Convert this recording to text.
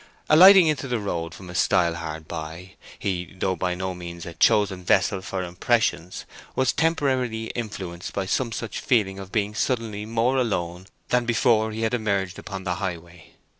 Alighting into the road from a stile hard by, he, though by no means a "chosen vessel" for impressions, was temporarily influenced by some such feeling of being suddenly more alone than before he had emerged upon the highway.